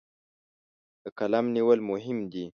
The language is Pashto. د قلم نیول مهم دي.